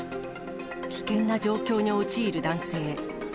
危険な状況に陥る男性。